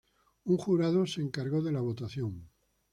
Un jurado se encargó de la votación.